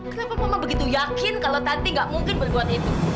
kenapa mama begitu yakin kalau tadi nggak mungkin berbuat itu